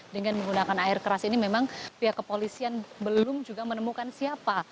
dengan menggunakan air keras ini memang pihak kepolisian belum juga menemukan siapa